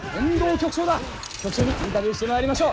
局長にインタビューしてまいりましょう。